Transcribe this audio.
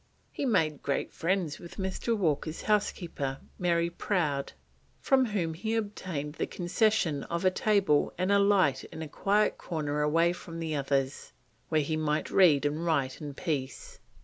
He made great friends with Mr. Walker's housekeeper, Mary Prowd, from whom he obtained the concession of a table and a light in a quiet corner away from the others, where he might read and write in peace.